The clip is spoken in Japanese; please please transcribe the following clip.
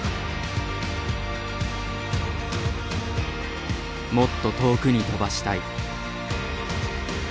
「もっと遠くに飛ばしたい」。